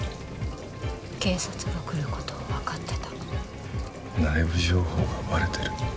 警察が来ることを分かってた内部情報がバレてる？